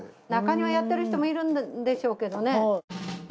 なかにはやってる人もいるんでしょうけどね。